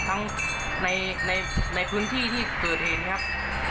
ทั้งในพื้นที่ที่เกิดเหตุครับ